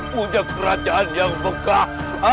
puncak kerajaan yang bekas